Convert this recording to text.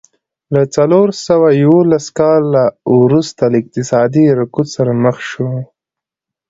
له څلور سوه یوولس کاله وروسته له اقتصادي رکود سره مخ شوه.